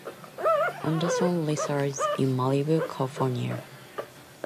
Anderson resides in Malibu, California.